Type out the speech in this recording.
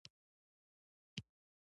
د امید اواز د دوی زړونه ارامه او خوښ کړل.